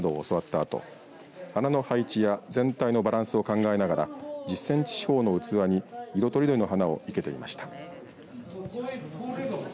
あと花の配置や全体のバランスを考えながら１０センチ四方の器に色とりどりの花を生けていました。